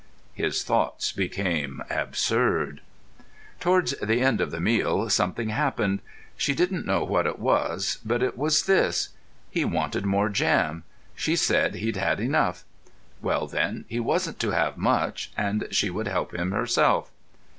His thoughts became absurd.... Towards the end of the meal something happened. She didn't know what it was, but it was this. He wanted more jam; she said he'd had enough. Well, then, he wasn't to have much, and she would help him herself.